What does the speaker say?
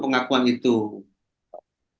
pengakuan yang sudah diperiksa oleh petugas dan pengamanku